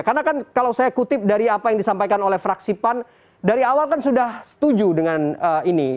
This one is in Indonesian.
karena kan kalau saya kutip dari apa yang disampaikan oleh fraksi pan dari awal kan sudah setuju dengan ini